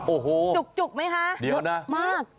โอ้โหจุกไหมคะเดี๋ยวนะมาก